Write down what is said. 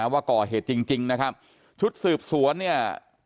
ว่าก่อเหตุจริงจริงนะครับชุดสืบสวนเนี่ย